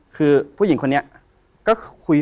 คือผู้หญิงคนนี้ก็คุย